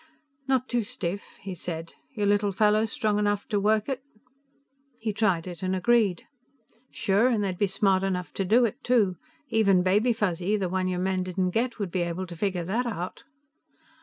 "Not too stiff," he said. "Your little fellows strong enough to work it?" He tried it and agreed. "Sure. And they'd be smart enough to do it, too. Even Baby Fuzzy, the one your men didn't get, would be able to figure that out."